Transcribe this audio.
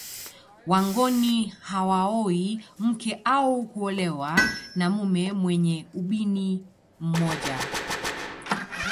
Wangoni hawaoi mke au kuolewa na mume mwenye ubini mmoja